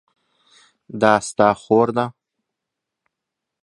دا ستا خور ده؟